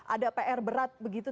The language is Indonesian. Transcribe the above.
ada pr berat begitu